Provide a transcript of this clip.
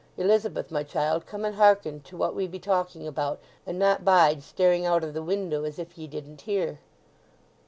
Elizabeth, my child, come and hearken to what we be talking about, and not bide staring out o' the window as if ye didn't hear."